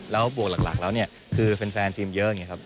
แล้วบวกหลักแล้วเนี่ยคือแฟนทีมเยอะอย่างนี้ครับ